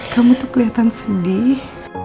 kamu tuh kelihatan sedih